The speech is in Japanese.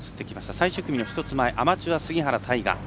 最終組の１つ前アマチュア、杉原大河。